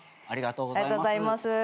ありがとうございます。